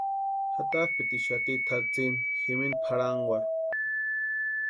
Jatapʼitixati tʼatsini jimini pʼarhankwarhu.